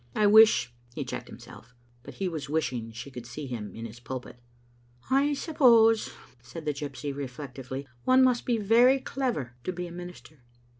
I wish " He checked himself; but he was wishing she could see him in his pulpit. "I suppose," said the gypsy, reflectively, "one must be very clever to be a minister."